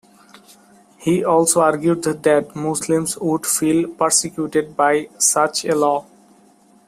He also argued that Muslims would feel persecuted by such a law.